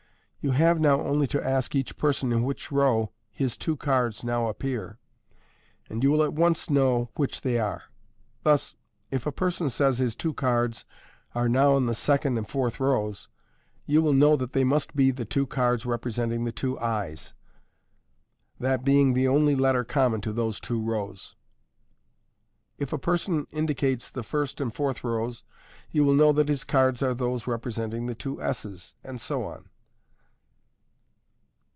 You have now only to ask each person in which row his two cards now appear, and you will at once know which they are. Thus, if a person says his two cards are now in the second and fourth rows, you will know that they must be the two cards representing the two I's, that being the only letter common to those two rows. If a person indi cates the first and fourth rows, you will know that his cards are those representing the two S's, and so on.